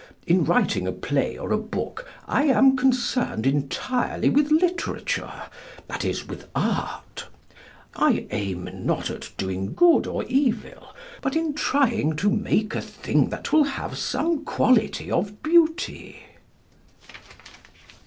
In writing a play or a book I am concerned entirely with literature, that is, with art. I aim not at doing good or evil, but in trying to make a thing that will have some quality of beauty.